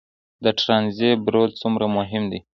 د ټرانزیټ رول څومره مهم دی؟